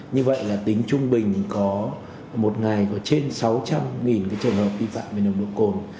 như vậy là tính trung bình có một ngày có trên sáu trăm linh trường hợp vi phạm về nồng độ cồn